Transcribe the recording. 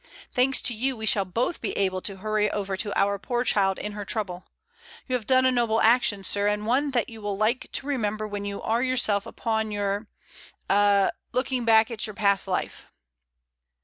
Thanks to you, we shall both be able to hurry over to our poor child in her trouble. You have done a noble action, sir, and one that you will like to remember when you are yourself upon your — a — looking back at your past life." COFFEE.